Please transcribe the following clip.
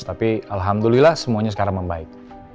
tapi alhamdulillah semuanya sekarang membaik